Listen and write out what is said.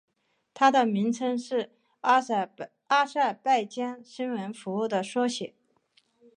它的名称是阿塞拜疆新闻服务的缩写。